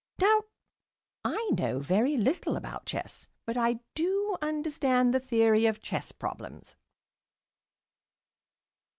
Now, I know very little about chess, but I do understand the theory of chess problems.